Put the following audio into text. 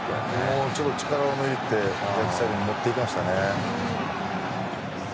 力を抜いて逆サイドへ持っていきましたね。